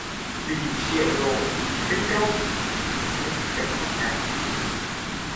Bị sỉa lộ chưn trâu nên trật mắt cá